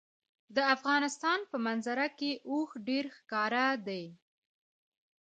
د افغانستان په منظره کې اوښ ډېر ښکاره دی.